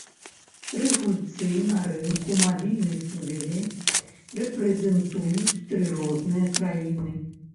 Тры гульцы на рынку мабільнай сувязі рэпрэзентуюць тры розныя краіны.